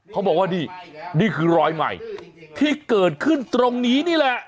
เขาบอกว่านี่นี่คือรอยใหม่ที่เกิดขึ้นตรงนี้นี่แหละ